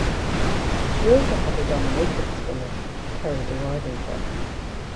She also had a dominatrix gimmick and carried a riding crop.